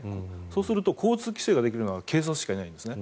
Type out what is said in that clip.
そうすると交通規制ができるのは警察しかいないんです。